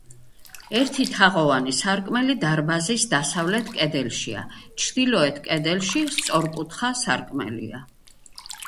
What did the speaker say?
ერთი თაღოვანი სარკმელი დარბაზის დასავლეთ კედელშია, ჩრდილოეთ კედელში სწორკუთხა სარკმელია.